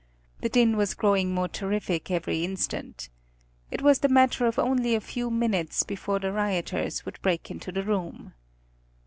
The din was growing more terrific every instant. It was the matter of only a few minutes before the rioters would break into the room.